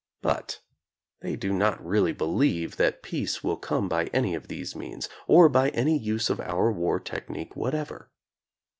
But they do not really believe that peace will come by any of these means, or by any use of our war technique whatever.